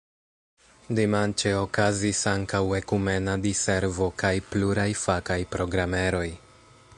Dimanĉe okazis ankaŭ ekumena diservo kaj pluraj fakaj programeroj.